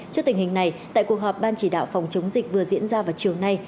trước tình hình này tại cuộc họp ban chỉ đạo phòng chống dịch vừa diễn ra vào chiều nay